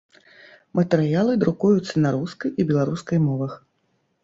Матэрыялы друкуюцца на рускай і беларускай мовах.